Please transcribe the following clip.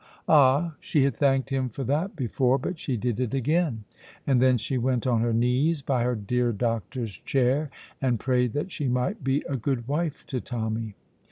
Ah, she had thanked Him for that before, but she did it again. And then she went on her knees by her dear doctor's chair, and prayed that she might be a good wife to Tommy.